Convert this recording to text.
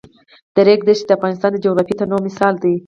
د ریګ دښتې د افغانستان د جغرافیوي تنوع مثال دی.